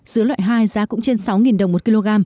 dứa loại hai giá cũng trên sáu đồng một kg